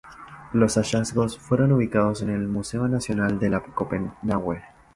Los hallazgos fueron ubicados en el Museo Nacional de Copenague.